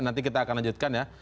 nanti kita akan lanjutkan ya